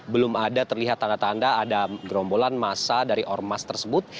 belum ada terlihat tanda tanda ada gerombolan masa dari ormas tersebut